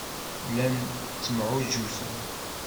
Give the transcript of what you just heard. Llan ttemɛujjuten.